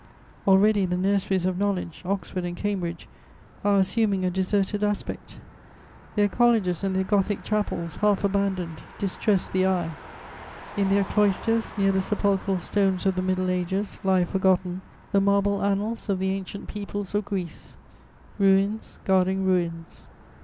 Already the nurseries of knowledge, Oxford and Cambridge, are assuming a deserted aspect: their colleges and their Gothic chapels, half abandoned, distress the eye; in their cloisters, near the sepulchral stones of the middle ages, lie, forgotten, the marble annals of the ancient peoples of Greece: ruins guarding ruins.